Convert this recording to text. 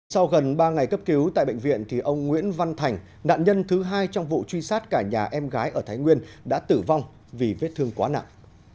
sau gần ba ngày cấp cứu tại bệnh viện thì ông nguyễn văn thành nạn nhân thứ hai trong vụ truy sát cả nhà em gái ở thái nguyên đã tử vong vì vết thương quá nặng